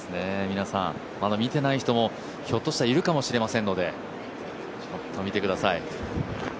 まだ見ていない人もひょっとしたらいるかもしれませんのでちょっと見てください。